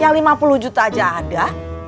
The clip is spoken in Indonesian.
ya rp lima puluh juta aja ada